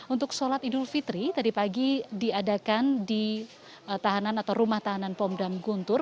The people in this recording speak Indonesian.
untuk sholat idul fitri tadi pagi diadakan di rumah tahanan pondam guntur